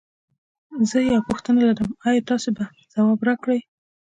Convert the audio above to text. زه یوه پوښتنه لرم ایا تاسو به ځواب راکړی؟